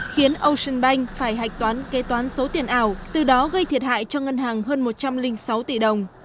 khiến ocean bank phải hạch toán kế toán số tiền ảo từ đó gây thiệt hại cho ngân hàng hơn một trăm linh sáu tỷ đồng